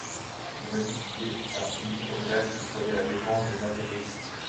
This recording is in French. J'ai même publié un éditorial qui prenait la défense des intégristes.